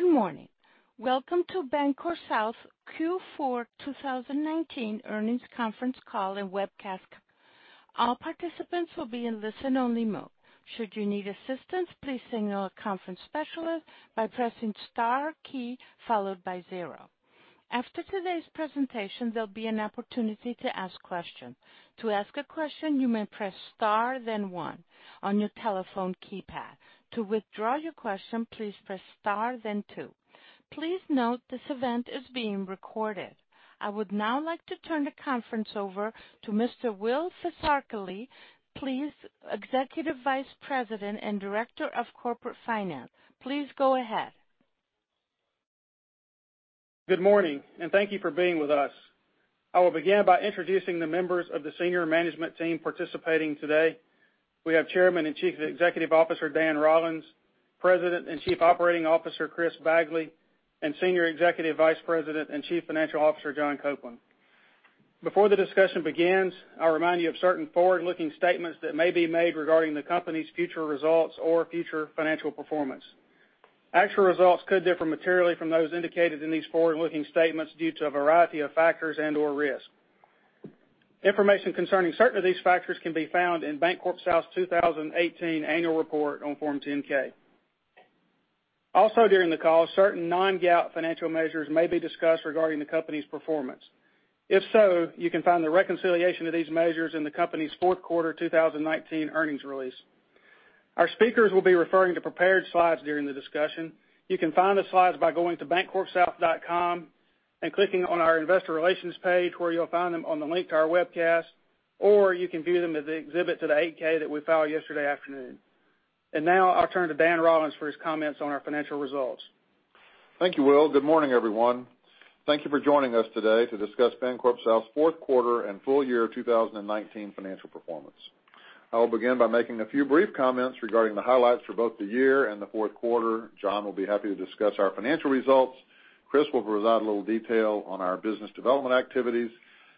Good morning. Welcome to BancorpSouth Q4 2019 earnings conference call and webcast. All participants will be in listen only mode. Should you need assistance, please signal a conference specialist by pressing star key followed by zero. After today's presentation, there'll be an opportunity to ask questions. To ask a question, you may press star then one on your telephone keypad. To withdraw your question, please press star then two. Please note this event is being recorded. I would now like to turn the conference over to Mr. Will Fisackerly, please, Executive Vice President and Director of Corporate Finance. Please go ahead. Good morning, and thank you for being with us. I will begin by introducing the members of the senior management team participating today. We have Chairman and Chief Executive Officer, Dan Rollins, President and Chief Operating Officer, Chris Bagley, and Senior Executive Vice President and Chief Financial Officer, John Copeland. Before the discussion begins, I'll remind you of certain forward-looking statements that may be made regarding the company's future results or future financial performance. Actual results could differ materially from those indicated in these forward-looking statements due to a variety of factors and/or risk. Information concerning certain of these factors can be found in BancorpSouth's 2018 annual report on Form 10-K. During the call, certain non-GAAP financial measures may be discussed regarding the company's performance. If so, you can find the reconciliation of these measures in the company's fourth quarter 2019 earnings release. Our speakers will be referring to prepared slides during the discussion. You can find the slides by going to bancorpsouth.com and clicking on our investor relations page, where you'll find them on the link to our webcast, or you can view them as the exhibit to the 8-K that we filed yesterday afternoon. Now I'll turn to Dan Rollins for his comments on our financial results. Thank you, Will. Good morning, everyone. Thank you for joining us today to discuss BancorpSouth's fourth quarter and full year 2019 financial performance. I will begin by making a few brief comments regarding the highlights for both the year and the fourth quarter. John will be happy to discuss our financial results. Chris will provide a little detail on our business development activities.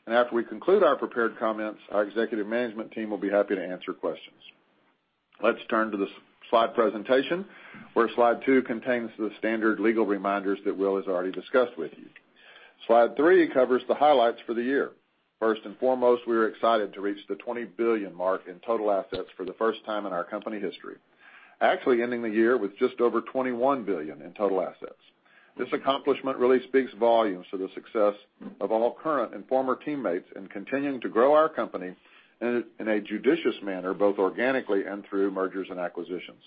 After we conclude our prepared comments, our executive management team will be happy to answer questions. Let's turn to the slide presentation, where slide two contains the standard legal reminders that Will has already discussed with you. Slide three covers the highlights for the year. First and foremost, we are excited to reach the $20 billion mark in total assets for the first time in our company history, actually ending the year with just over $21 billion in total assets. This accomplishment really speaks volumes to the success of all current and former teammates in continuing to grow our company in a judicious manner, both organically and through mergers and acquisitions.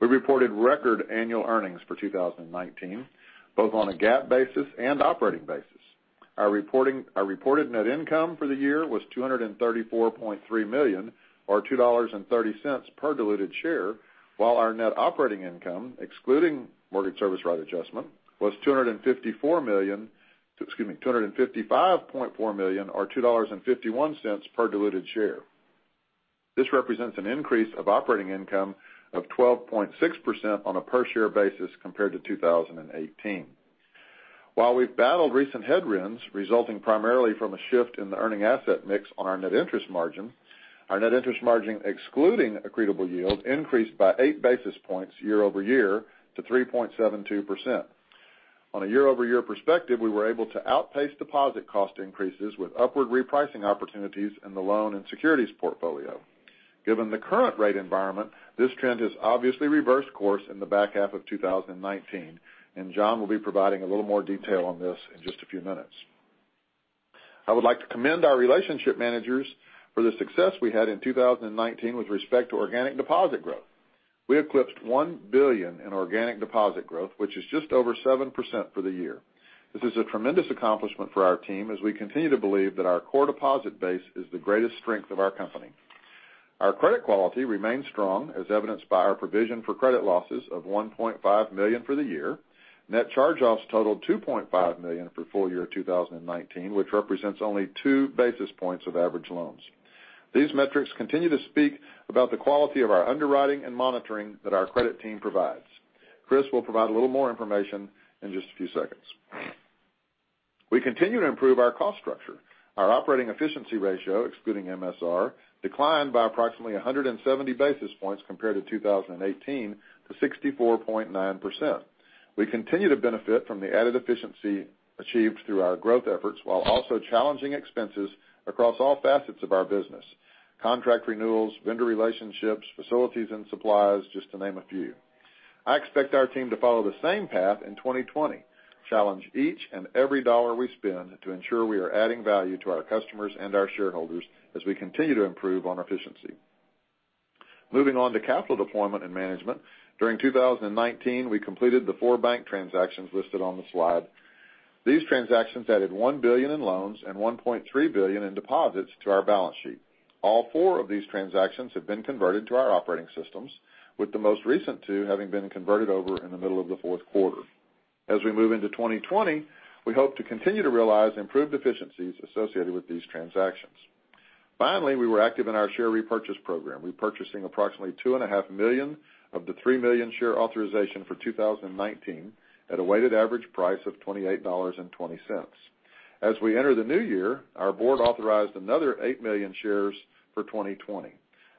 We reported record annual earnings for 2019, both on a GAAP basis and operating basis. Our reported net income for the year was $234.3 million or $2.30 per diluted share, while our net operating income, excluding mortgage service rate adjustment, was $254 million, excuse me, $255.4 million or $2.51 per diluted share. This represents an increase of operating income of 12.6% on a per-share basis compared to 2018. While we've battled recent headwinds resulting primarily from a shift in the earning asset mix on our net interest margin, our net interest margin excluding accretable yield increased by 8 basis points year-over-year to 3.72%. On a year-over-year perspective, we were able to outpace deposit cost increases with upward repricing opportunities in the loan and securities portfolio. Given the current rate environment, this trend has obviously reversed course in the back half of 2019, John will be providing a little more detail on this in just a few minutes. I would like to commend our relationship managers for the success we had in 2019 with respect to organic deposit growth. We eclipsed $1 billion in organic deposit growth, which is just over 7% for the year. This is a tremendous accomplishment for our team, as we continue to believe that our core deposit base is the greatest strength of our company. Our credit quality remains strong, as evidenced by our provision for credit losses of $1.5 million for the year. Net charge-offs totaled $2.5 million for full year 2019, which represents only 2 basis points of average loans. These metrics continue to speak about the quality of our underwriting and monitoring that our credit team provides. Chris will provide a little more information in just a few seconds. We continue to improve our cost structure. Our operating efficiency ratio, excluding MSR, declined by approximately 170 basis points compared to 2018 to 64.9%. We continue to benefit from the added efficiency achieved through our growth efforts while also challenging expenses across all facets of our business, contract renewals, vendor relationships, facilities, and supplies, just to name a few. I expect our team to follow the same path in 2020, challenge each and every dollar we spend to ensure we are adding value to our customers and our shareholders as we continue to improve on our efficiency. Moving on to capital deployment and management. During 2019, we completed the four bank transactions listed on the slide. These transactions added $1 billion in loans and $1.3 billion in deposits to our balance sheet. All four of these transactions have been converted to our operating systems, with the most recent two having been converted over in the middle of the fourth quarter. As we move into 2020, we hope to continue to realize improved efficiencies associated with these transactions. Finally, we were active in our share repurchase program, repurchasing approximately 2.5 million of the 3 million share authorization for 2019 at a weighted average price of $28.20. As we enter the new year, our board authorized another 8 million shares for 2020.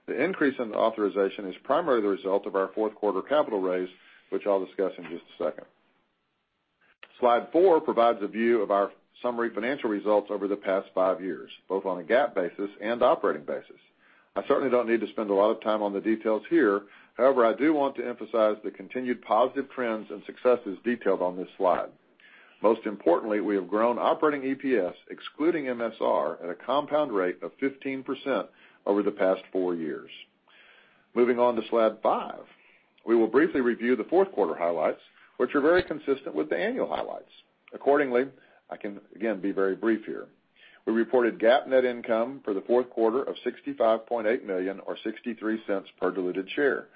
The increase in authorization is primarily the result of our fourth quarter capital raise, which I'll discuss in just a second. Slide four provides a view of our summary financial results over the past five years, both on a GAAP basis and operating basis. I certainly don't need to spend a lot of time on the details here. I do want to emphasize the continued positive trends and successes detailed on this slide. Most importantly, we have grown operating EPS, excluding MSR, at a compound rate of 15% over the past four years. Moving on to slide five. We will briefly review the fourth quarter highlights, which are very consistent with the annual highlights. I can, again, be very brief here. We reported GAAP net income for the fourth quarter of $65.8 million, or $0.63 per diluted share.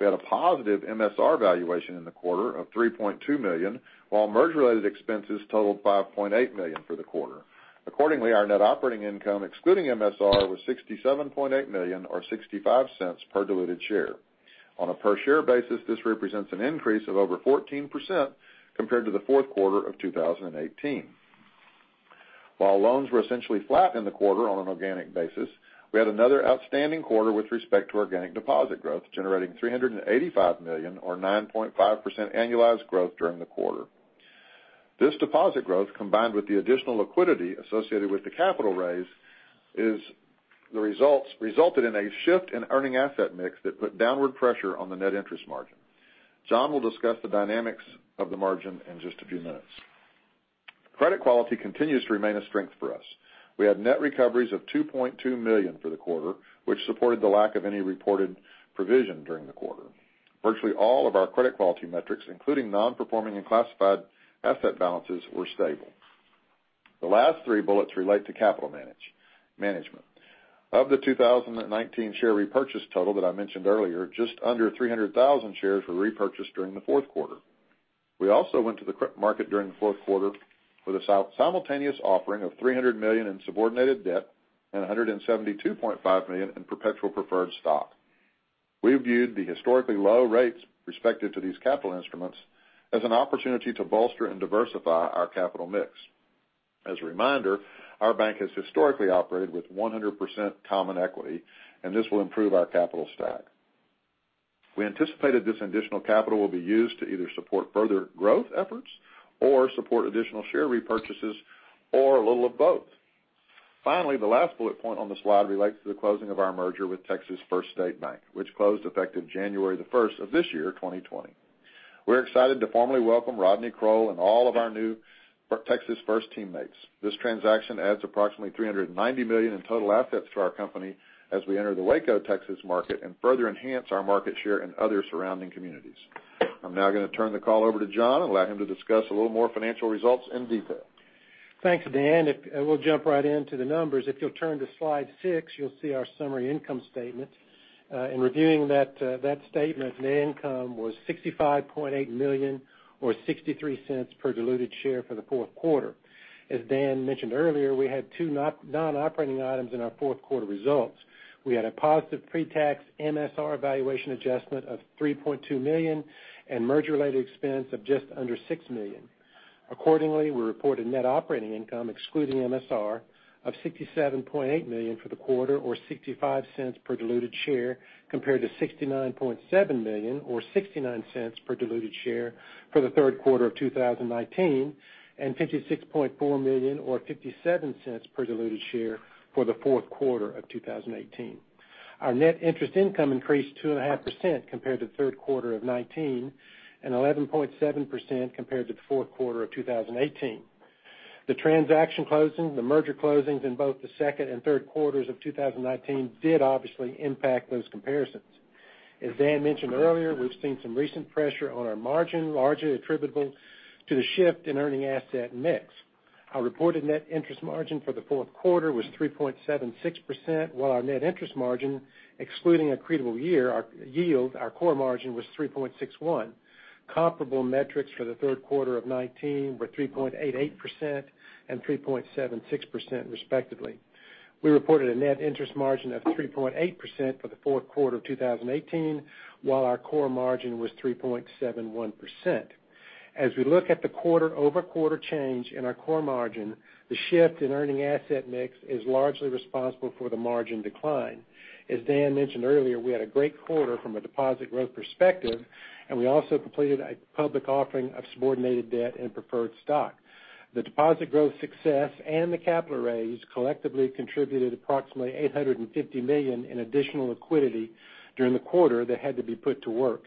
We had a positive MSR valuation in the quarter of $3.2 million, while merger-related expenses totaled $5.8 million for the quarter. Accordingly, our net operating income, excluding MSR, was $67.8 million, or $0.65 per diluted share. On a per-share basis, this represents an increase of over 14% compared to the fourth quarter of 2018. While loans were essentially flat in the quarter on an organic basis, we had another outstanding quarter with respect to organic deposit growth, generating $385 million or 9.5% annualized growth during the quarter. This deposit growth, combined with the additional liquidity associated with the capital raise, resulted in a shift in earning asset mix that put downward pressure on the net interest margin. John will discuss the dynamics of the margin in just a few minutes. Credit quality continues to remain a strength for us. We had net recoveries of $2.2 million for the quarter, which supported the lack of any reported provision during the quarter. Virtually all of our credit quality metrics, including non-performing and classified asset balances, were stable. The last three bullets relate to capital management. Of the 2019 share repurchase total that I mentioned earlier, just under 300,000 shares were repurchased during the fourth quarter. We also went to the credit market during the fourth quarter with a simultaneous offering of $300 million in subordinated debt and $172.5 million in perpetual preferred stock. We viewed the historically low rates respective to these capital instruments as an opportunity to bolster and diversify our capital mix. As a reminder, our bank has historically operated with 100% common equity. This will improve our capital stack. We anticipate that this additional capital will be used to either support further growth efforts or support additional share repurchases or a little of both. Finally, the last bullet point on the slide relates to the closing of our merger with Texas First State Bank, which closed effective January 1st of this year, 2020. We're excited to formally welcome Rodney Kroll and all of our new Texas First teammates. This transaction adds approximately $390 million in total assets to our company as we enter the Waco, Texas market and further enhance our market share in other surrounding communities. I'm now going to turn the call over to John and allow him to discuss a little more financial results in detail. Thanks, Dan. We'll jump right into the numbers. If you'll turn to slide six, you'll see our summary income statement. In reviewing that statement, net income was $65.8 million or $0.63 per diluted share for the fourth quarter. As Dan mentioned earlier, we had two non-operating items in our fourth quarter results. We had a positive pre-tax MSR valuation adjustment of $3.2 million and merger-related expense of just under $6 million. Accordingly, we reported net operating income excluding MSR of $67.8 million for the quarter, or $0.65 per diluted share, compared to $69.7 million or $0.69 per diluted share for the third quarter of 2019 and $56.4 million or $0.57 per diluted share for the fourth quarter of 2018. Our net interest income increased 2.5% compared to the third quarter of 2019 and 11.7% compared to the fourth quarter of 2018. The transaction closings, the merger closings in both the second and third quarters of 2019 did obviously impact those comparisons. As Dan mentioned earlier, we've seen some recent pressure on our margin, largely attributable to the shift in earning asset mix. Our reported net interest margin for the fourth quarter was 3.76%, while our net interest margin, excluding accretable yield, our core margin, was 3.61%. Comparable metrics for the third quarter of 2019 were 3.88% and 3.76%, respectively. We reported a net interest margin of 3.8% for the fourth quarter of 2018, while our core margin was 3.71%. As we look at the quarter-over-quarter change in our core margin, the shift in earning asset mix is largely responsible for the margin decline. As Dan mentioned earlier, we had a great quarter from a deposit growth perspective, and we also completed a public offering of subordinated debt and preferred stock. The deposit growth success and the capital raise collectively contributed approximately $850 million in additional liquidity during the quarter that had to be put to work.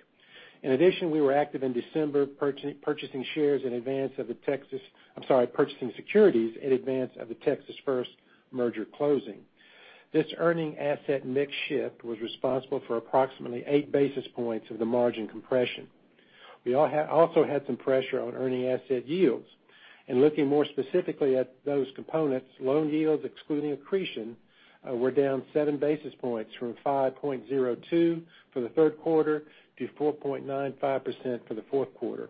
In addition, we were active in December purchasing securities in advance of the Texas First merger closing. This earning asset mix shift was responsible for approximately 8 basis points of the margin compression. We also had some pressure on earning asset yields. Looking more specifically at those components, loan yields, excluding accretion, were down 7 basis points from 5.02 for the third quarter to 4.95% for the fourth quarter.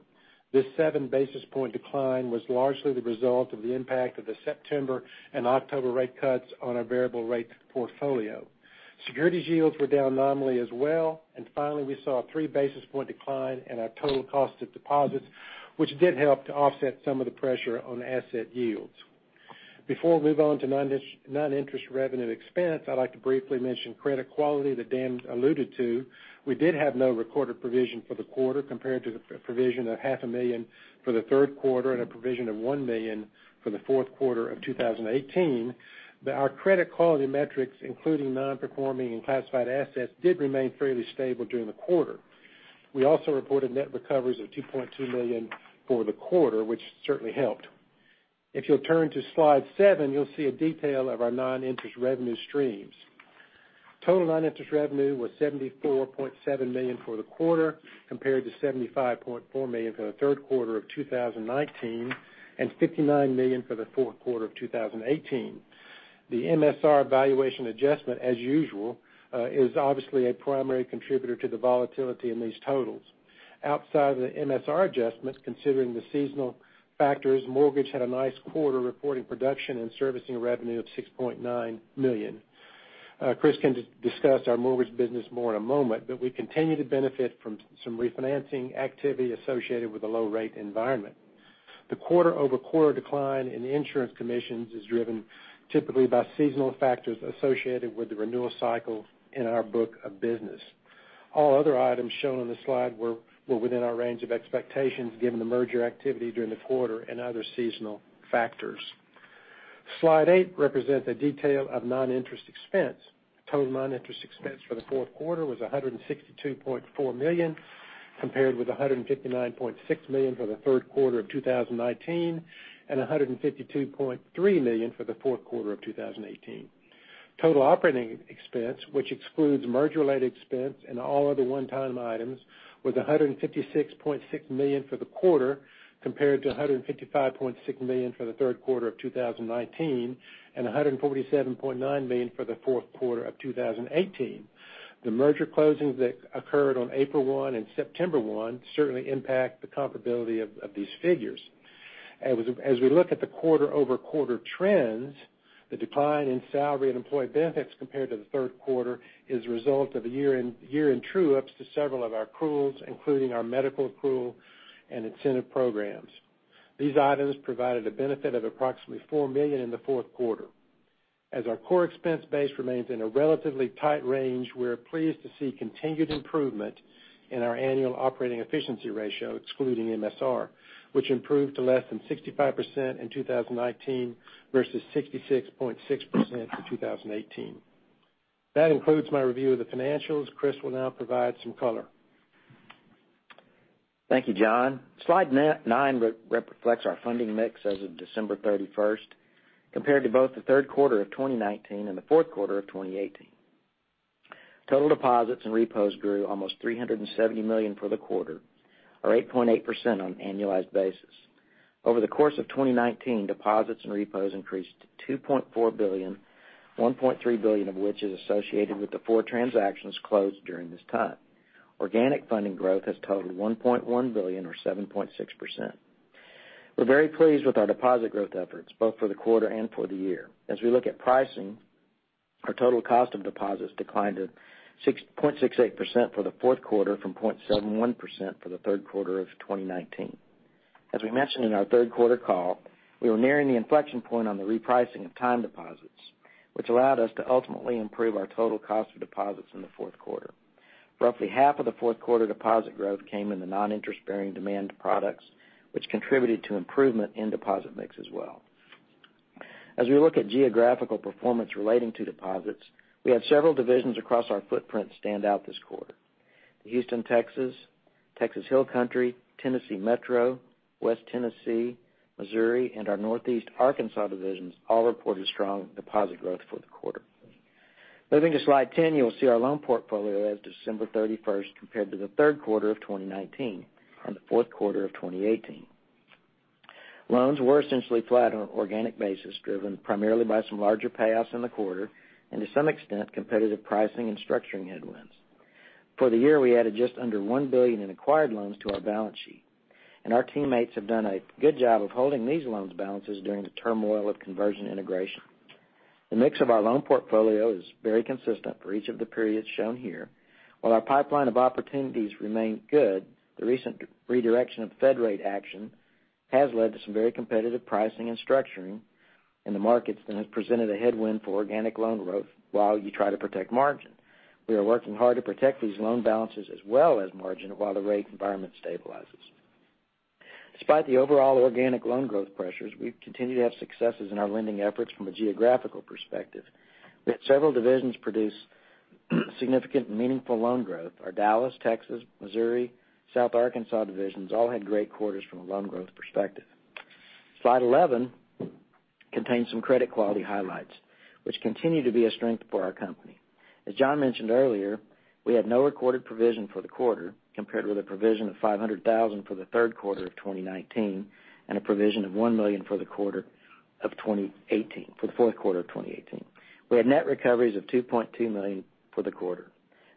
This 7 basis point decline was largely the result of the impact of the September and October rate cuts on our variable rate portfolio. Securities yields were down nominally as well. Finally, we saw a 3 basis point decline in our total cost of deposits, which did help to offset some of the pressure on asset yields. Before we move on to non-interest revenue expense, I'd like to briefly mention credit quality that Dan alluded to. We did have no recorded provision for the quarter compared to the provision of half a million for the third quarter and a provision of $1 million for the fourth quarter of 2018. Our credit quality metrics, including non-performing and classified assets, did remain fairly stable during the quarter. We also reported net recoveries of $2.2 million for the quarter, which certainly helped. If you'll turn to slide seven, you'll see a detail of our non-interest revenue streams. Total non-interest revenue was $74.7 million for the quarter, compared to $75.4 million for the third quarter of 2019, and $59 million for the fourth quarter of 2018. The MSR valuation adjustment, as usual, is obviously a primary contributor to the volatility in these totals. Outside of the MSR adjustments, considering the seasonal factors, mortgage had a nice quarter, reporting production and servicing revenue of $6.9 million. Chris can discuss our mortgage business more in a moment, but we continue to benefit from some refinancing activity associated with the low rate environment. The quarter-over-quarter decline in insurance commissions is driven typically by seasonal factors associated with the renewal cycle in our book of business. All other items shown on the slide were within our range of expectations given the merger activity during the quarter and other seasonal factors. Slide eight represents a detail of non-interest expense. Total non-interest expense for the fourth quarter was $162.4 million, compared with $159.6 million for the third quarter of 2019, and $152.3 million for the fourth quarter of 2018. Total operating expense, which excludes merger-related expense and all other one-time items, was $156.6 million for the quarter, compared to $155.6 million for the third quarter of 2019, and $147.9 million for the fourth quarter of 2018. The merger closings that occurred on April 1 and September 1 certainly impact the comparability of these figures. As we look at the quarter-over-quarter trends, the decline in salary and employee benefits compared to the third quarter is a result of a year-end true-ups to several of our accruals, including our medical accrual and incentive programs. These items provided a benefit of approximately $4 million in the fourth quarter. As our core expense base remains in a relatively tight range, we are pleased to see continued improvement in our annual operating efficiency ratio, excluding MSR, which improved to less than 65% in 2019 versus 66.6% in 2018. That concludes my review of the financials. Chris will now provide some color. Thank you, John. Slide nine reflects our funding mix as of December 31st, compared to both the third quarter of 2019 and the fourth quarter of 2018. Total deposits and repos grew almost $370 million for the quarter, or 8.8% on an annualized basis. Over the course of 2019, deposits and repos increased to $2.4 billion, $1.3 billion of which is associated with the four transactions closed during this time. Organic funding growth has totaled $1.1 billion or 7.6%. We're very pleased with our deposit growth efforts, both for the quarter and for the year. As we look at pricing, our total cost of deposits declined to 0.68% for the fourth quarter from 0.71% for the third quarter of 2019. We mentioned in our third quarter call, we were nearing the inflection point on the repricing of time deposits, which allowed us to ultimately improve our total cost of deposits in the fourth quarter. Roughly half of the fourth quarter deposit growth came in the non-interest-bearing demand products, which contributed to improvement in deposit mix as well. We look at geographical performance relating to deposits, we have several divisions across our footprint stand out this quarter. Houston, Texas Hill Country, Tennessee Metro, West Tennessee, Missouri, and our Northeast Arkansas divisions all reported strong deposit growth for the quarter. Moving to slide 10, you will see our loan portfolio as of December 31st compared to the third quarter of 2019 and the fourth quarter of 2018. Loans were essentially flat on an organic basis, driven primarily by some larger payoffs in the quarter and to some extent, competitive pricing and structuring headwinds. For the year, we added just under $1 billion in acquired loans to our balance sheet, and our teammates have done a good job of holding these loans balances during the turmoil of conversion integration. The mix of our loan portfolio is very consistent for each of the periods shown here. While our pipeline of opportunities remained good, the recent redirection of Fed rate action has led to some very competitive pricing and structuring in the markets that has presented a headwind for organic loan growth while you try to protect margin. We are working hard to protect these loan balances as well as margin while the rate environment stabilizes. Despite the overall organic loan growth pressures, we continue to have successes in our lending efforts from a geographical perspective. We had several divisions produce significant and meaningful loan growth. Our Dallas, Texas, Missouri, South Arkansas divisions all had great quarters from a loan growth perspective. Slide 11 contains some credit quality highlights, which continue to be a strength for our company. As John mentioned earlier, we had no recorded provision for the quarter, compared with a provision of $500,000 for the third quarter of 2019, and a provision of $1 million for the fourth quarter of 2018. We had net recoveries of $2.2 million for the quarter.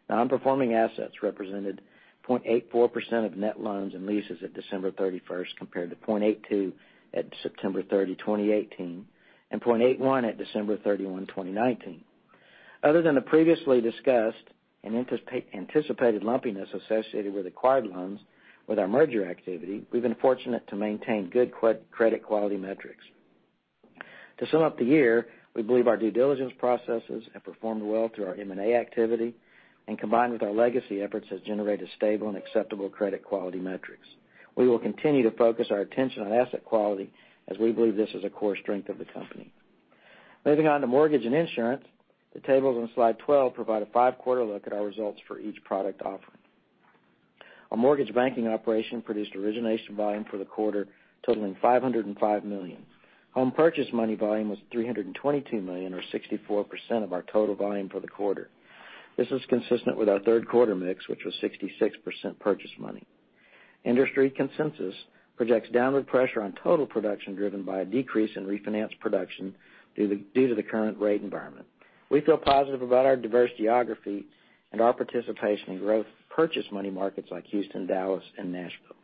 Non-performing assets represented 0.84% of net loans and leases at December 31st compared to 0.82% at September 30, 2018, and 0.81% at December 31, 2019. Other than the previously discussed and anticipated lumpiness associated with acquired loans with our merger activity, we've been fortunate to maintain good credit quality metrics. To sum up the year, we believe our due diligence processes have performed well through our M&A activity, and combined with our legacy efforts, has generated stable and acceptable credit quality metrics. We will continue to focus our attention on asset quality as we believe this is a core strength of the company. Moving on to mortgage and insurance, the tables on slide twelve provide a five-quarter look at our results for each product offering. Our mortgage banking operation produced origination volume for the quarter totaling $505 million. Home purchase money volume was $322 million, or 64% of our total volume for the quarter. This is consistent with our third quarter mix, which was 66% purchase money. Industry consensus projects downward pressure on total production, driven by a decrease in refinance production due to the current rate environment. We feel positive about our diverse geography and our participation in growth purchase money markets like Houston, Dallas, and Nashville.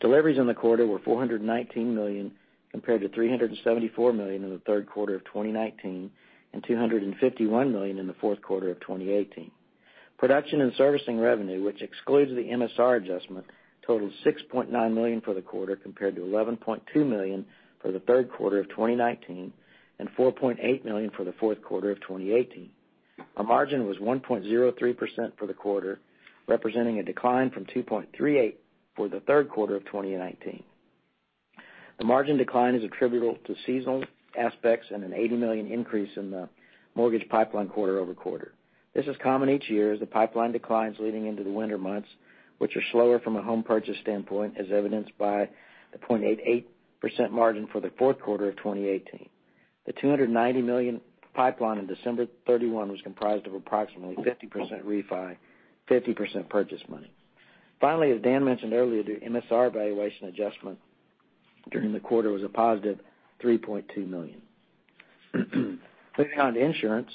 Deliveries in the quarter were $419 million, compared to $374 million in the third quarter of 2019 and $251 million in the fourth quarter of 2018. Production and servicing revenue, which excludes the MSR adjustment, totaled $6.9 million for the quarter, compared to $11.2 million for the third quarter of 2019 and $4.8 million for the fourth quarter of 2018. Our margin was 1.03% for the quarter, representing a decline from 2.38% for the third quarter of 2019. The margin decline is attributable to seasonal aspects and an $80 million increase in the mortgage pipeline quarter-over-quarter. This is common each year as the pipeline declines leading into the winter months, which are slower from a home purchase standpoint, as evidenced by the 0.88% margin for the fourth quarter of 2018. The $290 million pipeline on December 31 was comprised of approximately 50% refi, 50% purchase money. Finally, as Dan mentioned earlier, the MSR valuation adjustment during the quarter was a +$3.2 million. Moving on to insurance,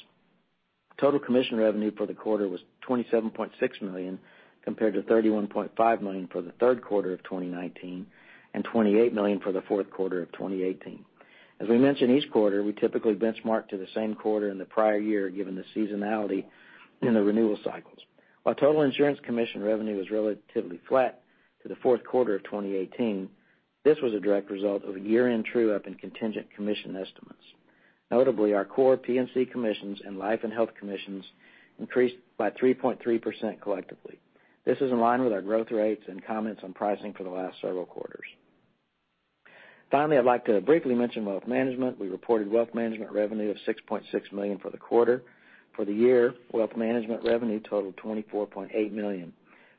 total commission revenue for the quarter was $27.6 million, compared to $31.5 million for the third quarter of 2019 and $28 million for the fourth quarter of 2018. As we mention each quarter, we typically benchmark to the same quarter in the prior year, given the seasonality in the renewal cycles. While total insurance commission revenue was relatively flat to the fourth quarter of 2018, this was a direct result of a year-end true-up in contingent commission estimates. Notably, our core P&C commissions and life and health commissions increased by 3.3% collectively. This is in line with our growth rates and comments on pricing for the last several quarters. Finally, I'd like to briefly mention wealth management. We reported wealth management revenue of $6.6 million for the quarter. For the year, wealth management revenue totaled $24.8 million,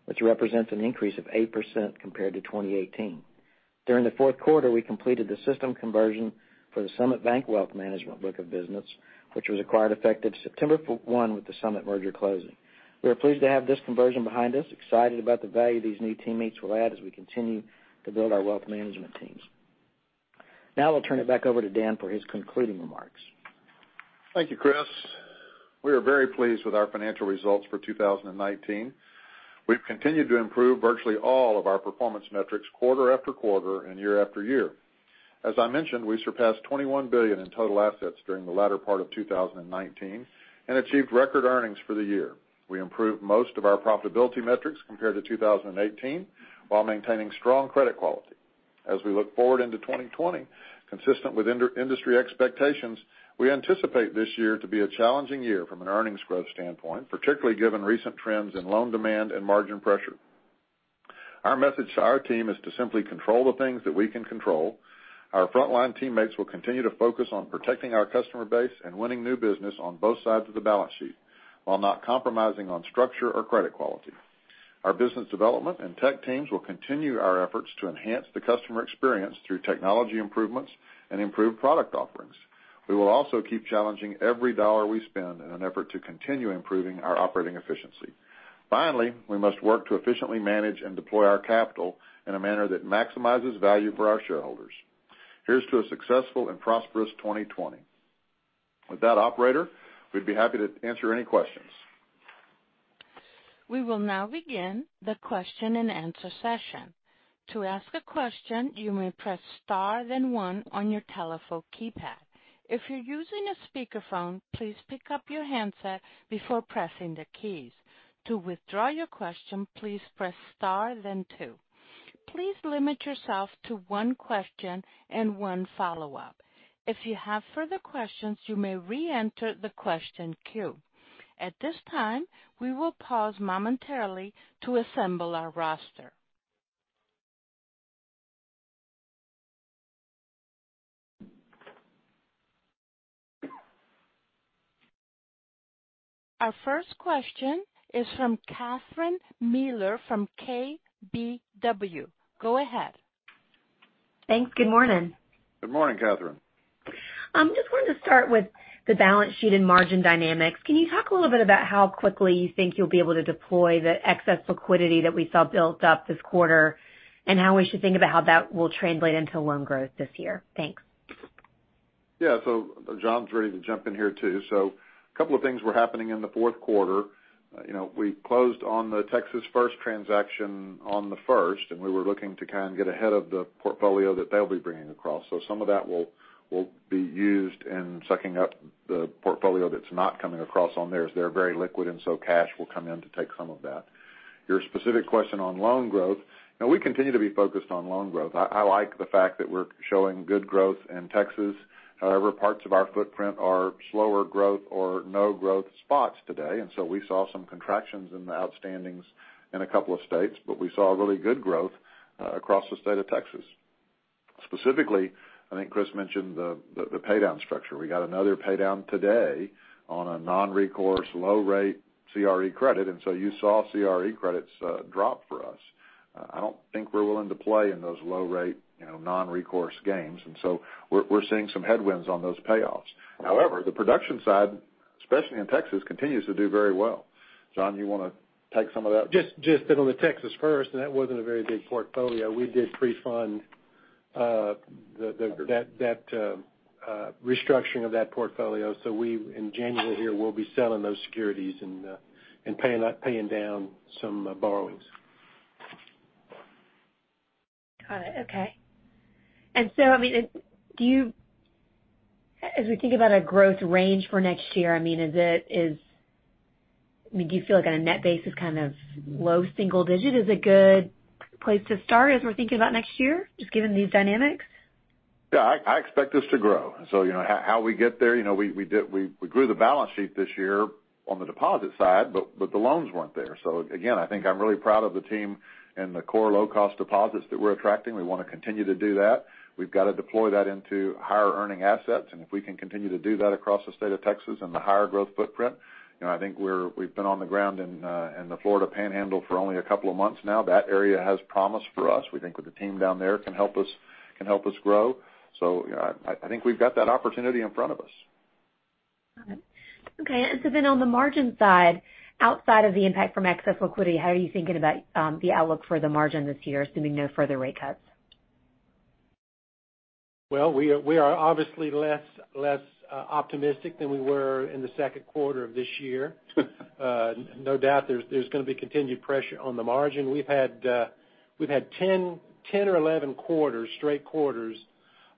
which represents an increase of 8% compared to 2018. During the fourth quarter, we completed the system conversion for the Summit Bank wealth management book of business, which was acquired effective September 1 with the Summit merger closing. We are pleased to have this conversion behind us, excited about the value these new teammates will add as we continue to build our wealth management teams. Now I'll turn it back over to Dan for his concluding remarks. Thank you, Chris. We are very pleased with our financial results for 2019. We've continued to improve virtually all of our performance metrics quarter after quarter and year after year. As I mentioned, we surpassed $21 billion in total assets during the latter part of 2019 and achieved record earnings for the year. We improved most of our profitability metrics compared to 2018 while maintaining strong credit quality. As we look forward into 2020, consistent with industry expectations, we anticipate this year to be a challenging year from an earnings growth standpoint, particularly given recent trends in loan demand and margin pressure. Our message to our team is to simply control the things that we can control. Our frontline teammates will continue to focus on protecting our customer base and winning new business on both sides of the balance sheet while not compromising on structure or credit quality. Our business development and tech teams will continue our efforts to enhance the customer experience through technology improvements and improved product offerings. We will also keep challenging every dollar we spend in an effort to continue improving our operating efficiency. Finally, we must work to efficiently manage and deploy our capital in a manner that maximizes value for our shareholders. Here's to a successful and prosperous 2020. With that, operator, we'd be happy to answer any questions. We will now begin the question and answer session. To ask a question, you may press star then one on your telephone keypad. If you're using a speakerphone, please pick up your handset before pressing the keys. To withdraw your question, please press star then two. Please limit yourself to one question and one follow-up. If you have further questions, you may reenter the question queue. At this time, we will pause momentarily to assemble our roster. Our first question is from Catherine Mealor from KBW. Go ahead. Thanks. Good morning. Good morning, Catherine. Just wanted to start with the balance sheet and margin dynamics. Can you talk a little bit about how quickly you think you'll be able to deploy the excess liquidity that we saw built up this quarter, and how we should think about how that will translate into loan growth this year? Thanks. Yeah. John's ready to jump in here too. A couple of things were happening in the fourth quarter. We closed on the Texas First transaction on the first, and we were looking to kind of get ahead of the portfolio that they'll be bringing across. Some of that will be used in sucking up the portfolio that's not coming across on theirs. They're very liquid, cash will come in to take some of that. Your specific question on loan growth, we continue to be focused on loan growth. I like the fact that we're showing good growth in Texas. However, parts of our footprint are slower growth or no growth spots today, we saw some contractions in the outstandings in a couple of states, but we saw really good growth across the state of Texas. Specifically, I think Chris mentioned the pay down structure. We got another pay down today on a non-recourse low rate CRE credit, you saw CRE credits drop for us. I don't think we're willing to play in those low rate, non-recourse games, we're seeing some headwinds on those payoffs. The production side, especially in Texas, continues to do very well. John, you want to take some of that? Just that on the Texas First, that wasn't a very big portfolio. We did pre-fund that restructuring of that portfolio. In January, we'll be selling those securities and paying down some borrowings. Got it. Okay. As we think about a growth range for next year, do you feel like on a net basis, kind of low single digit is a good place to start as we're thinking about next year, just given these dynamics? Yeah, I expect us to grow. How we get there, we grew the balance sheet this year on the deposit side, but the loans weren't there. Again, I think I'm really proud of the team and the core low-cost deposits that we're attracting. We want to continue to do that. We've got to deploy that into higher earning assets, and if we can continue to do that across the state of Texas and the higher growth footprint, I think we've been on the ground in the Florida Panhandle for only a couple of months now. That area has promise for us. We think that the team down there can help us grow. I think we've got that opportunity in front of us. Got it. Okay. On the margin side, outside of the impact from excess liquidity, how are you thinking about the outlook for the margin this year, assuming no further rate cuts? We are obviously less optimistic than we were in the second quarter of this year. No doubt there's going to be continued pressure on the margin. We've had 10 or 11 straight quarters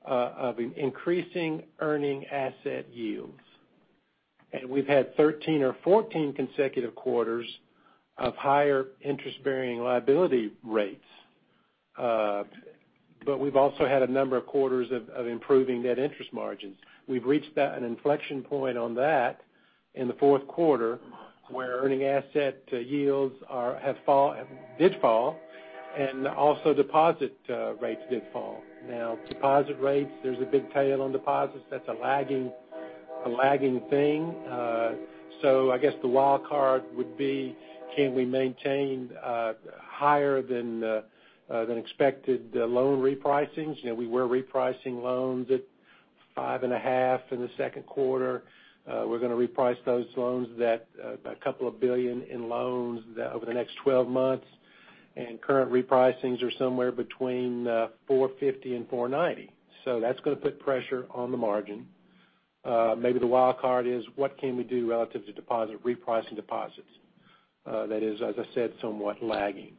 of increasing earning asset yields. We've had 13 or 14 consecutive quarters of higher interest-bearing liability rates. We've also had a number of quarters of improving net interest margins. We've reached an inflection point on that in the fourth quarter, where earning asset yields did fall, and also deposit rates did fall. Deposit rates, there's a big tail on deposits. That's a lagging thing. I guess the wild card would be, can we maintain higher than expected loan repricings? We were repricing loans at five and a half in the second quarter. We're going to reprice those loans, $2 billion in loans over the next 12 months. Current repricings are somewhere between 450 and 490. That's going to put pressure on the margin. Maybe the wild card is what can we do relative to repricing deposits? That is, as I said, somewhat lagging.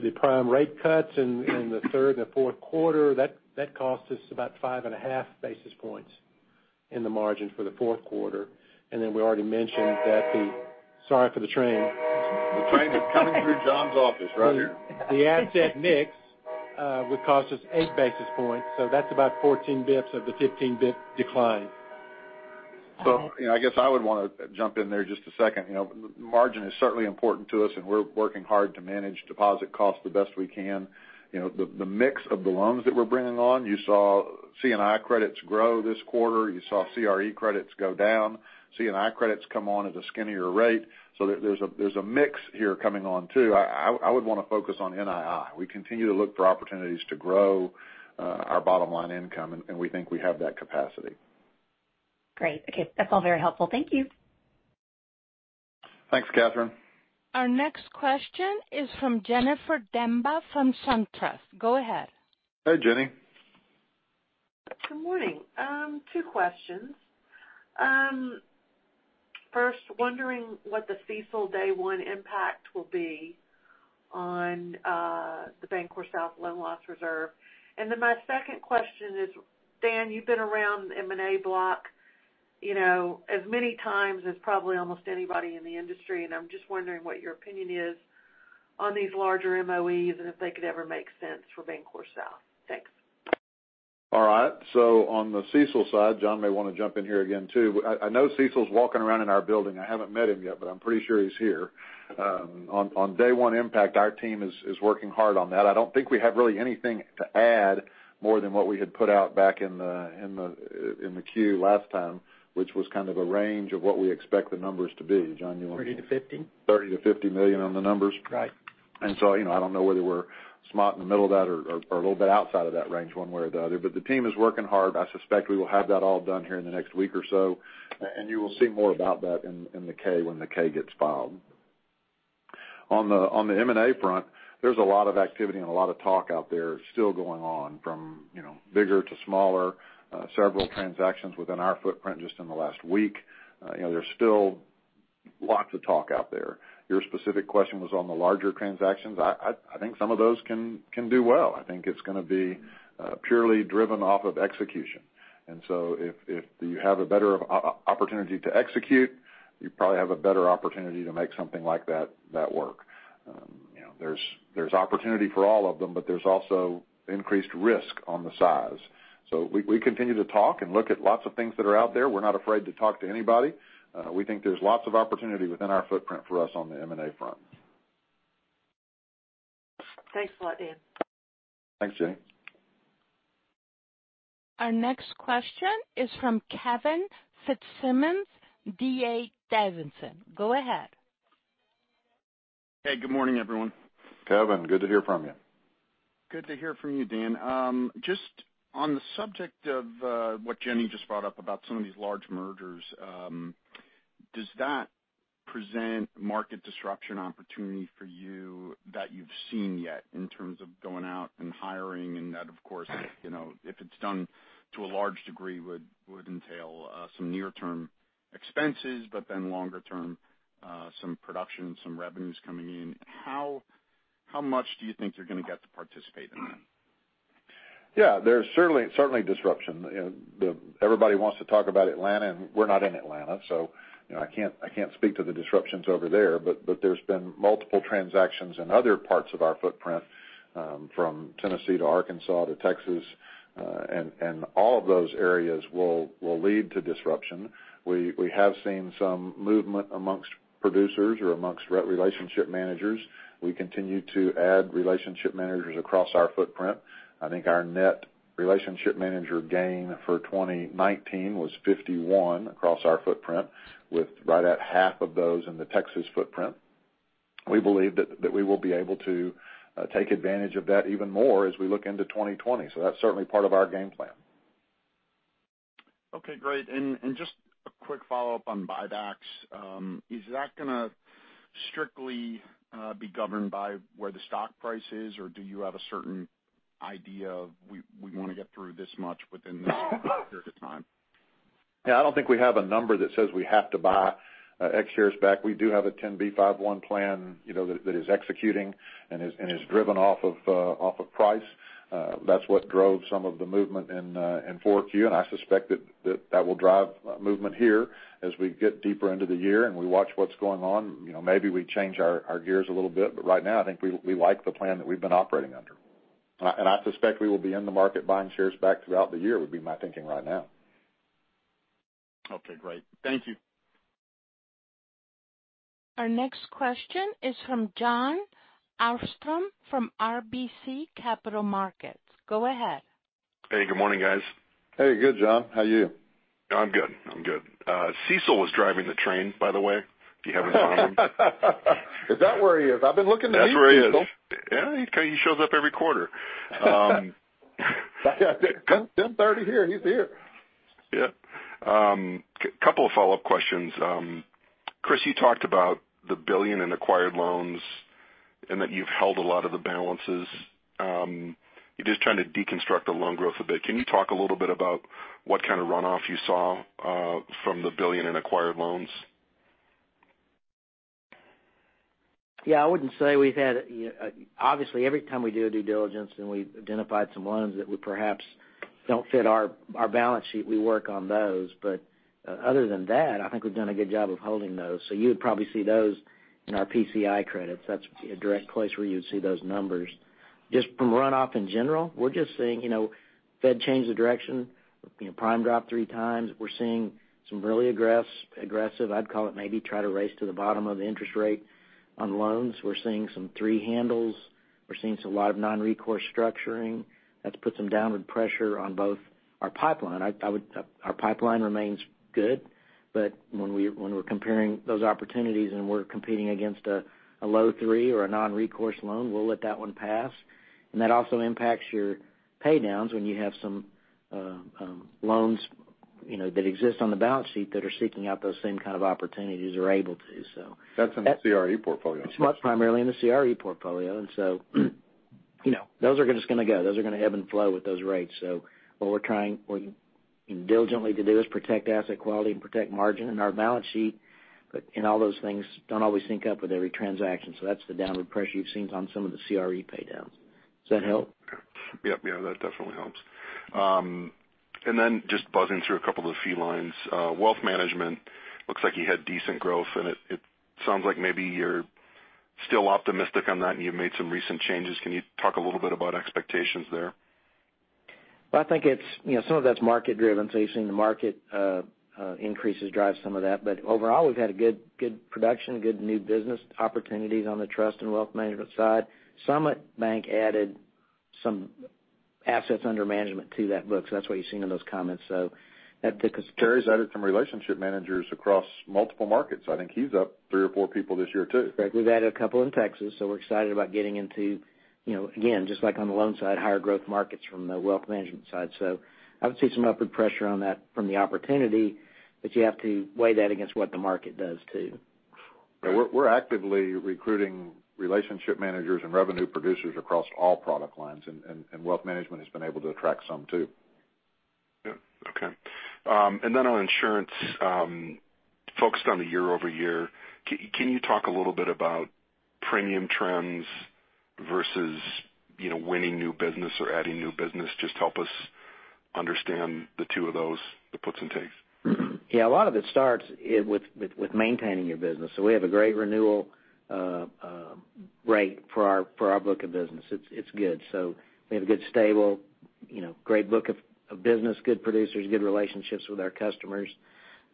The prime rate cuts in the third and the fourth quarter, that cost us about 5.5 basis points in the margin for the fourth quarter. We already mentioned. Sorry for the train. The train is coming through John's office right here. The asset mix would cost us 8 basis points, so that's about 14 basis points of the 15 basis point decline. I guess I would want to jump in there just a second. Margin is certainly important to us, and we're working hard to manage deposit cost the best we can. The mix of the loans that we're bringing on, you saw C&I credits grow this quarter. You saw CRE credits go down. C&I credits come on at a skinnier rate. There's a mix here coming on, too. I would want to focus on NII. We continue to look for opportunities to grow our bottom-line income, and we think we have that capacity. Great. Okay. That's all very helpful. Thank you. Thanks, Catherine. Our next question is from Jennifer Demba from SunTrust. Go ahead. Hey, Jenny. Good morning. Two questions. First, wondering what the CECL day one impact will be on the BancorpSouth loan loss reserve. My second question is, Dan, you've been around the M&A block as many times as probably almost anybody in the industry, and I'm just wondering what your opinion is on these larger MOEs and if they could ever make sense for BancorpSouth. Thanks. All right. On the CECL side, John may want to jump in here again, too. I know CECL's walking around in our building. I haven't met him yet, but I'm pretty sure he's here. On day one impact, our team is working hard on that. I don't think we have really anything to add more than what we had put out back in the Q last time, which was kind of a range of what we expect the numbers to be. John, you want to. 30-50. $30 million-$50 million on the numbers. Right. I don't know whether we're smart in the middle of that or a little bit outside of that range one way or the other. The team is working hard. I suspect we will have that all done here in the next week or so. You will see more about that in the K when the K gets filed. On the M&A front, there's a lot of activity and a lot of talk out there still going on from bigger to smaller, several transactions within our footprint just in the last week. There's still lots of talk out there. Your specific question was on the larger transactions. I think some of those can do well. I think it's going to be purely driven off of execution. If you have a better opportunity to execute, you probably have a better opportunity to make something like that work. There's opportunity for all of them, but there's also increased risk on the size. We continue to talk and look at lots of things that are out there. We're not afraid to talk to anybody. We think there's lots of opportunity within our footprint for us on the M&A front. Thanks a lot, Dan. Thanks, Jenny. Our next question is from Kevin Fitzsimmons, D.A. Davidson. Go ahead. Hey, good morning, everyone. Kevin, good to hear from you. Good to hear from you, Dan. Just on the subject of what Jenny just brought up about some of these large mergers, does that present market disruption opportunity for you that you've seen yet in terms of going out and hiring and that, of course, if it's done to a large degree, would entail some near-term expenses, but then longer-term, some production, some revenues coming in. How much do you think you're going to get to participate in that? There's certainly disruption. Everybody wants to talk about Atlanta, and we're not in Atlanta, so I can't speak to the disruptions over there. There's been multiple transactions in other parts of our footprint from Tennessee to Arkansas to Texas, and all of those areas will lead to disruption. We have seen some movement amongst producers or amongst relationship managers. We continue to add relationship managers across our footprint. I think our net relationship manager gain for 2019 was 51 across our footprint, with right at half of those in the Texas footprint. We believe that we will be able to take advantage of that even more as we look into 2020. That's certainly part of our game plan. Okay, great. Just a quick follow-up on buybacks. Is that going to strictly be governed by where the stock price is, or do you have a certain idea of we want to get through this much within this period of time? Yeah, I don't think we have a number that says we have to buy X shares back. We do have a 10b5-1 plan that is executing and is driven off of price. That's what drove some of the movement in 4Q, and I suspect that that will drive movement here as we get deeper into the year and we watch what's going on. Maybe we change our gears a little bit, but right now, I think we like the plan that we've been operating under. I suspect we will be in the market buying shares back throughout the year, would be my thinking right now. Okay, great. Thank you. Our next question is from Jon Arfstrom from RBC Capital Markets. Go ahead. Hey, good morning, guys. Hey. Good, Jon. How are you? I'm good. CECL was driving the train, by the way, if you haven't found him. Is that where he is? I've been looking to meet CECL. That's where he is. Yeah, he shows up every quarter. 10:30 here, and he's here. Yeah. Couple of follow-up questions. Chris, you talked about the $1 billion in acquired loans and that you've held a lot of the balances. Just trying to deconstruct the loan growth a bit, can you talk a little bit about what kind of runoff you saw from the $1 billion in acquired loans? I wouldn't say obviously, every time we do a due diligence and we've identified some loans that would perhaps don't fit our balance sheet, we work on those. Other than that, I think we've done a good job of holding those. You would probably see those in our PCI credits. That's a direct place where you would see those numbers. Just from runoff in general, we're just seeing Fed change the direction, Prime drop three times. We're seeing some really aggressive, I'd call it maybe try to race to the bottom of the interest rate on loans. We're seeing some three handles. We're seeing a lot of non-recourse structuring. That's put some downward pressure on both our pipeline. Our pipeline remains good, when we're comparing those opportunities and we're competing against a low three or a non-recourse loan, we'll let that one pass. That also impacts your paydowns when you have some loans that exist on the balance sheet that are seeking out those same kind of opportunities or able to. That's in the CRE portfolio. It's much primarily in the CRE portfolio. Those are just going to go. Those are going to ebb and flow with those rates. What we're trying diligently to do is protect asset quality and protect margin in our balance sheet. All those things don't always sync up with every transaction. That's the downward pressure you've seen on some of the CRE paydowns. Does that help? Yep. That definitely helps. Just buzzing through a couple of the fee lines. Wealth management looks like you had decent growth, and it sounds like maybe you're still optimistic on that, and you've made some recent changes. Can you talk a little bit about expectations there? Well, I think some of that's market-driven, you've seen the market increases drive some of that. Overall, we've had a good production, good new business opportunities on the trust and wealth management side. Summit Bank added some assets under management to that book, that's what you've seen in those comments. Terry's added some relationship managers across multiple markets. I think he's up three or four people this year, too. Correct. We've added a couple in Texas, so we're excited about getting into, again, just like on the loan side, higher growth markets from the wealth management side. I would see some upward pressure on that from the opportunity, but you have to weigh that against what the market does, too. We're actively recruiting relationship managers and revenue producers across all product lines, and wealth management has been able to attract some too. Yep, okay. Then on insurance, focused on the year-over-year, can you talk a little bit about premium trends versus winning new business or adding new business? Just help us understand the two of those, the puts and takes. Yeah. A lot of it starts with maintaining your business. We have a great renewal rate for our book of business. It's good. We have a good, stable, great book of business, good producers, good relationships with our customers.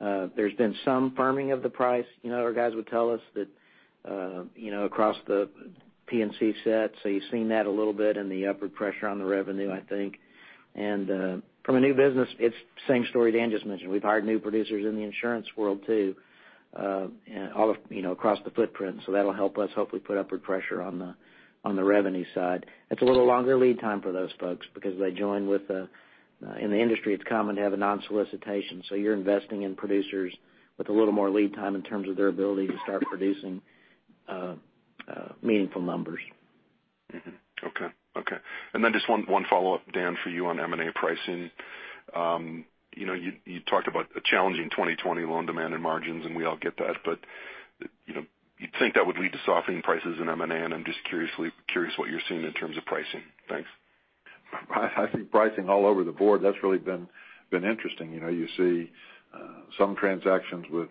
There's been some firming of the price. Our guys would tell us that across the P&C set, so you've seen that a little bit in the upward pressure on the revenue, I think. From a new business, it's the same story Dan just mentioned. We've hired new producers in the insurance world too, across the footprint. That'll help us hopefully put upward pressure on the revenue side. It's a little longer lead time for those folks because they join In the industry, it's common to have a non-solicitation. You're investing in producers with a little more lead time in terms of their ability to start producing meaningful numbers. Okay. Just one follow-up, Dan, for you on M&A pricing. You talked about a challenging 2020 loan demand and margins, and we all get that, but you'd think that would lead to softening prices in M&A, and I'm just curious what you're seeing in terms of pricing. Thanks. I think pricing all over the board, that's really been interesting. You see some transactions with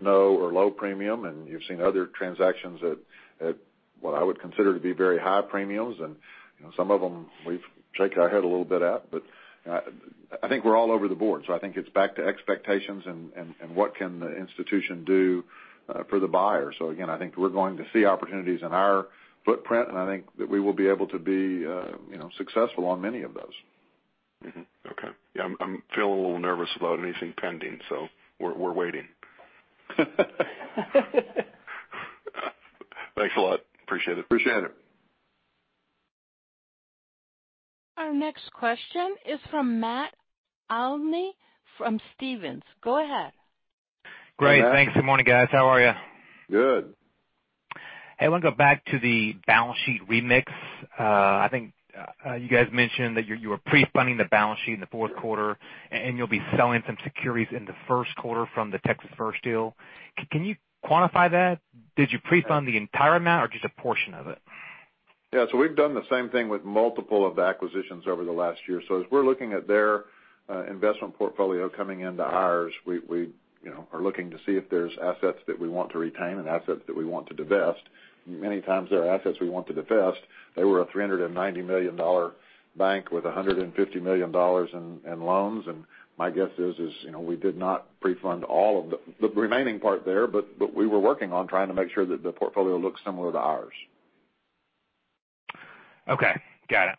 no or low premium, and you've seen other transactions at what I would consider to be very high premiums. Some of them we've shaken our head a little bit at, but I think we're all over the board. I think it's back to expectations and what can the institution do for the buyer. Again, I think we're going to see opportunities in our footprint, and I think that we will be able to be successful on many of those. Okay. Yeah, I'm feeling a little nervous about anything pending, so we're waiting. Thanks a lot. Appreciate it. Appreciate it. Our next question is from Matt Olney from Stephens. Go ahead. Great. Thanks. Good morning, guys. How are you? Good. Hey, I want to go back to the balance sheet remix. I think you guys mentioned that you were pre-funding the balance sheet in the fourth quarter, and you'll be selling some securities in the first quarter from the Texas First deal. Can you quantify that? Did you pre-fund the entire amount or just a portion of it? Yeah. We've done the same thing with multiple of acquisitions over the last year. As we're looking at their investment portfolio coming into ours, we are looking to see if there's assets that we want to retain and assets that we want to divest. Many times, there are assets we want to divest. They were a $390 million bank with $150 million in loans. My guess is we did not pre-fund all of the remaining part there, but we were working on trying to make sure that the portfolio looks similar to ours. Okay. Got it.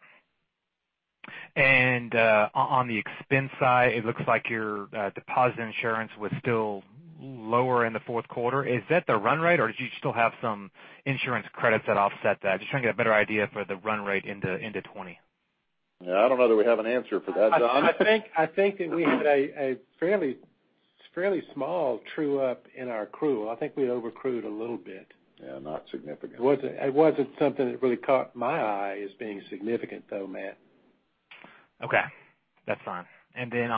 On the expense side, it looks like your deposit insurance was still lower in the fourth quarter. Is that the run rate, or did you still have some insurance credits that offset that? Just trying to get a better idea for the run rate into 2020. Yeah, I don't know that we have an answer for that, John. I think that we had a fairly small true-up in our accrual. I think we over-accrued a little bit. Yeah, not significant. It wasn't something that really caught my eye as being significant though, Matt. Okay, that's fine. Then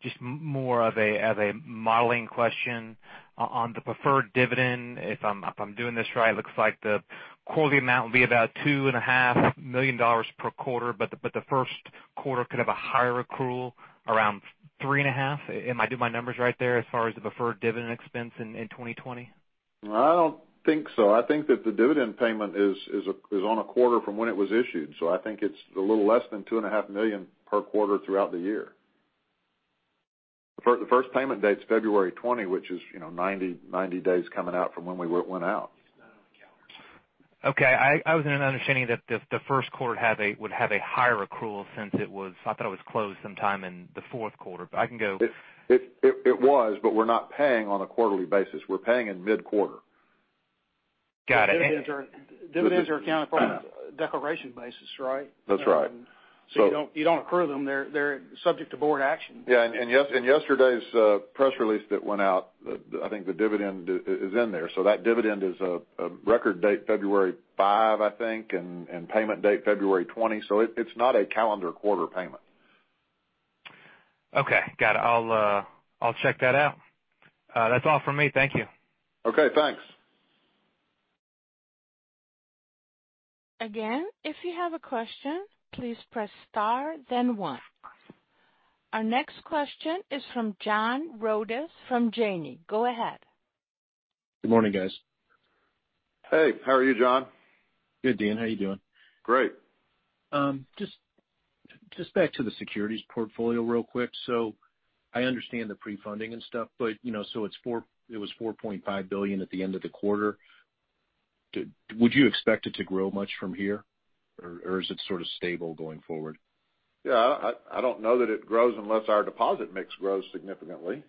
just more of a modeling question. On the preferred dividend, if I'm doing this right, it looks like the quarterly amount will be about $2.5 million per quarter, but the first quarter could have a higher accrual, around 3.5. Am I doing my numbers right there as far as the preferred dividend expense in 2020? I don't think so. I think that the dividend payment is on a quarter from when it was issued. I think it's a little less than two and a half million per quarter throughout the year. The first payment date is February 20, which is 90 days coming out from when we went out. Okay. I was under an understanding that the first quarter would have a higher accrual since it was, I thought it was closed sometime in the fourth quarter. I can go. It was, but we're not paying on a quarterly basis. We're paying in mid-quarter. Got it. Dividends are accounted for on a declaration basis, right? That's right. You don't accrue them. They're subject to board action. Yeah. In yesterday's press release that went out, I think the dividend is in there. That dividend is a record date February 5, I think, and payment date February 20. It's not a calendar quarter payment. Okay. Got it. I'll check that out. That's all from me. Thank you. Okay, thanks. Again, if you have a question, please press star then one. Our next question is from John Rodis from Janney. Go ahead. Good morning, guys. Hey, how are you, John? Good, Dan. How you doing? Great. Just back to the securities portfolio real quick. I understand the pre-funding and stuff, it was $4.5 billion at the end of the quarter. Would you expect it to grow much from here, or is it sort of stable going forward? I don't know that it grows unless our deposit mix grows significantly.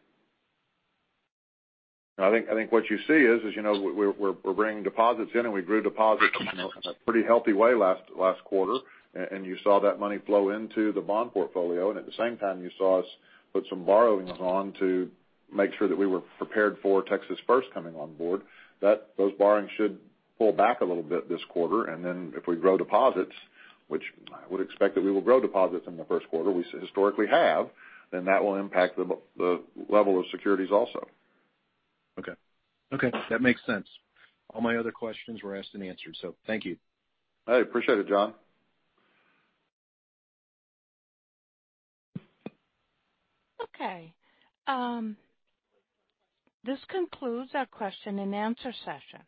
I think what you see is we're bringing deposits in and we grew deposits in a pretty healthy way last quarter. You saw that money flow into the bond portfolio, and at the same time, you saw us put some borrowings on to make sure that we were prepared for Texas First coming on board. Those borrowings should pull back a little bit this quarter, and then if we grow deposits, which I would expect that we will grow deposits in the first quarter, we historically have, then that will impact the level of securities also. Okay. That makes sense. All my other questions were asked and answered, so thank you. Hey, appreciate it, John. Okay. This concludes our question and answer session.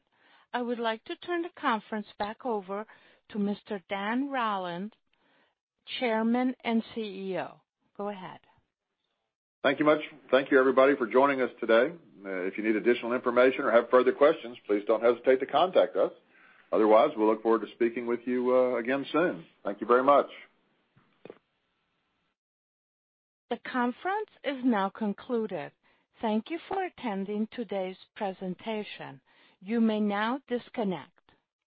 I would like to turn the conference back over to Mr. Dan Rollins, Chairman and CEO. Go ahead. Thank you much. Thank you everybody for joining us today. If you need additional information or have further questions, please don't hesitate to contact us. Otherwise, we'll look forward to speaking with you again soon. Thank you very much. The conference is now concluded. Thank you for attending today's presentation. You may now disconnect.